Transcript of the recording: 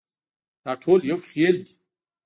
دا ټول یو خېل دي.